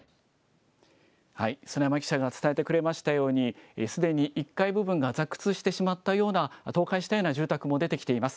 園山記者が伝えてくれましたように、すでに１階部分がざくつしてしまったような、倒壊してしまったような住宅も出てきています。